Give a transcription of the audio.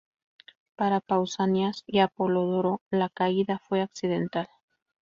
Para Pausanias y Apolodoro la caída fue accidental.